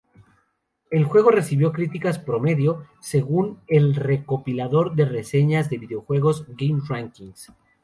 El juego recibió críticas "promedio" según el recopilador de reseñas de videojuegos GameRankings.